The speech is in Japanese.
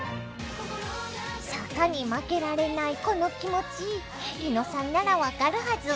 坂に負けられないこの気持ち猪野さんなら分かるはず。